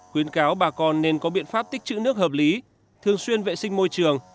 khuyến cáo bà con nên có biện pháp tích chữ nước hợp lý thường xuyên vệ sinh môi trường